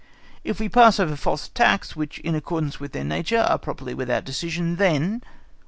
If we pass over false attacks, which in accordance with their nature are properly without decision, then, 1.